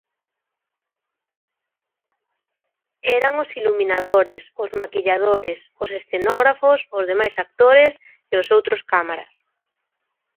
Eran os iluminadores, os maquilladores, os escenógrafos; os demais actores e os outros cámaras.